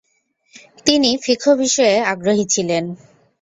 তিনি ফিকহ বিষয়ে আগ্রহী ছিলেন।